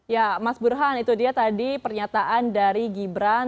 ya mas burhan itu dia tadi pernyataan dari gibran